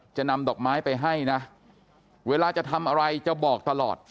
จะนำดอกไม้ไปให้นะเวลาจะทำอะไรจะบอกตลอด